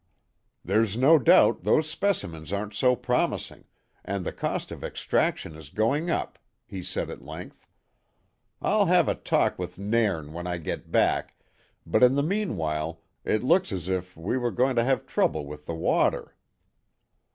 "There's no doubt those specimens aren't so promising, and the cost of extraction is going up," he said at length. "I'll have a talk with Nairn when I get back, but in the meanwhile it looks as if we were going to have trouble with the water."